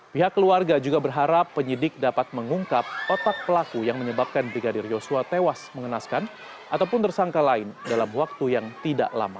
pihak keluarga juga berharap penyidik dapat mengungkap otak pelaku yang menyebabkan brigadir yosua tewas mengenaskan ataupun tersangka lain dalam waktu yang tidak lama